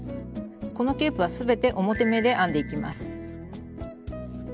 このケープは全て表目で編んでいきます。